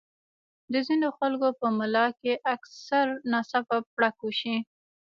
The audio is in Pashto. د ځينې خلکو پۀ ملا کښې اکثر ناڅاپه پړق اوشي